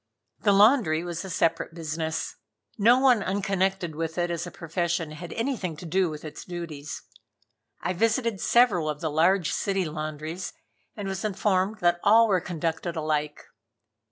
The laundry was a separate business. No one unconnected with it as a profession had anything to do with its duties. I visited several of the large city laundries and was informed that all were conducted alike.